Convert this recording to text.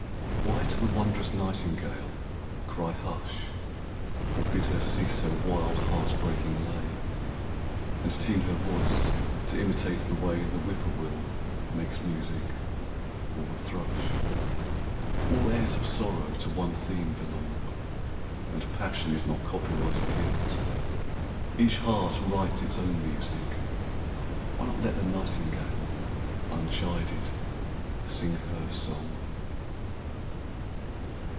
Why to the wondrous nightingale cry hush Or bid her cease her wild heart breaking lay, And tune her voice to imitate the way The whip poor will makes music, or the thrush? All airs of sorrow to one theme belong, And passion is not copyrighted yet. Each heart writes its own music. Why not let The nightingale unchided sing her song?